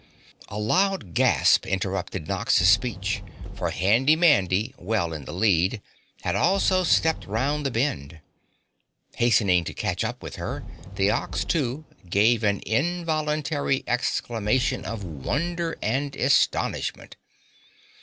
A loud gasp interrupted Nox's speech, for Handy Mandy, well in the lead, had also stepped round the bend. Hastening to catch up with her, the Ox, too, gave an involuntary exclamation of wonder and astonishment.